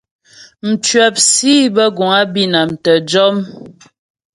Mcwəp sǐ bə́ guŋ á Bǐnam tə́ jɔm.